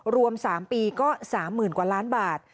รวม๓ปีก็๓๐๐๐กว่าล้านบาท